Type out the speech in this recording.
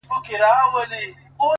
• مړ مي مړوند دی.